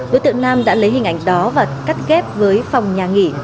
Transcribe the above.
đối tượng nam đã lấy hình ảnh đó và cắt ghép với phòng nhà nghỉ